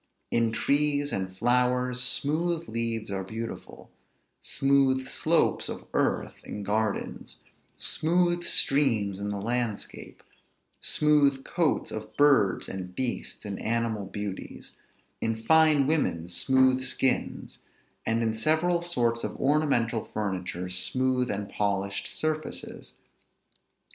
In trees and flowers, smooth leaves are beautiful; smooth slopes of earth in gardens; smooth streams in the landscape; smooth coats of birds and beasts in animal beauties; in fine women, smooth skins; and in several sorts of ornamental furniture, smooth and polished surfaces.